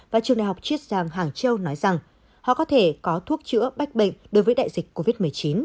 và trường đại học chiết giang hàng châu nói rằng họ có thể có thuốc chữa bách bệnh đối với đại dịch covid một mươi chín